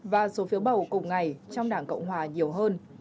và số phiếu bầu cùng ngày trong đảng cộng hòa nhiều hơn